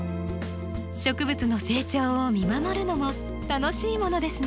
植物の成長を見守るのも楽しいものですね。